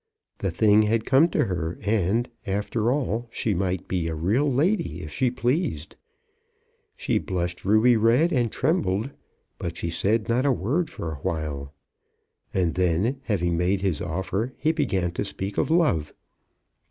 The thing had come to her, and, after all, she might be a real lady if she pleased. She blushed ruby red, and trembled, but she said not a word for a while. And then, having made his offer, he began to speak of love.